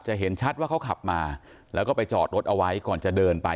เห็นชัดว่าเขาขับมาแล้วก็ไปจอดรถเอาไว้ก่อนจะเดินไป